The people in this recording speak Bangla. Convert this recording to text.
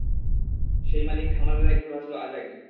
সেই মালিকের খামারের এক ঘোড়া ছিল আজাগী।